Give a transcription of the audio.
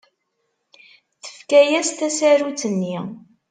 Tefka-as tasarut-nni.